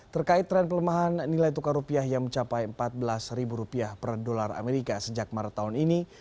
terkait tren pelemahan nilai tukar rupiah yang mencapai empat belas rupiah per dolar amerika sejak maret tahun ini